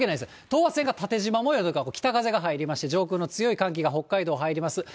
等圧線が縦じま模様だから、北風が入りまして、上空の強い寒気が北海道入ります。